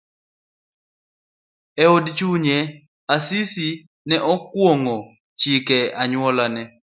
Eod chunye, Asisi nene okwong'o chike anyuolane.